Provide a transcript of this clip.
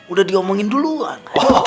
udah diomongin duluan